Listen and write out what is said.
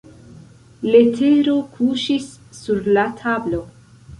Letero kuŝis sur la tablo.